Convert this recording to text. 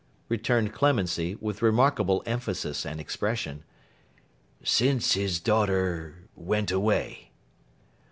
returned Clemency, with remarkable emphasis and expression. 'Since his daughter—went away.